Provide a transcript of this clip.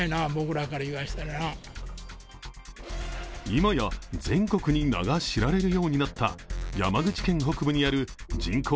今や全国に名が知られるようになった山口県北部にある人口